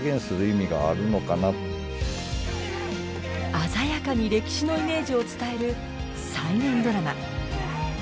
鮮やかに歴史のイメージを伝える再現ドラマ。